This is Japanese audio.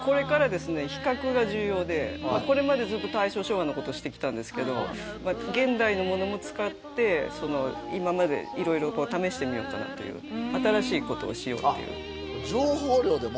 これまでずっと大正昭和の事をしてきたんですけど現代のものも使って今まで色々試してみようかなという新しい事をしようという。